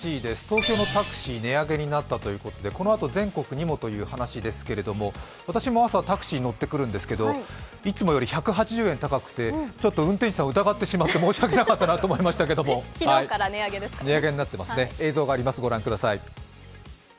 東京のタクシー値上げになったということでこのあと全国にもという話ですけれども、私も朝、タクシーに乗ってくるんですけどいつもより１８０円高くて、運転手さんを疑ってしまって申し訳なかったなと思っていましたけど、値上げになっていますね、映像があります、ご覧ください。